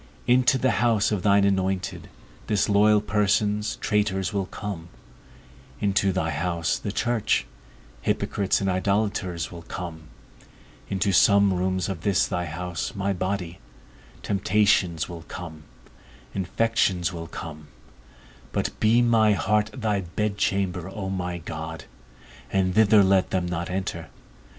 Into the house of thine anointed, disloyal persons, traitors, will come; into thy house, the church, hypocrites and idolators will come; into some rooms of this thy house, my body, temptations will come, infections will come; but be my heart thy bedchamber, O my God, and thither let them not enter.